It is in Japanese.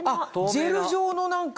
ジェル状の何か。